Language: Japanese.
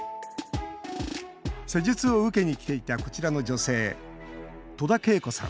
施術を受けに来ていたこちらの女性、戸田啓子さん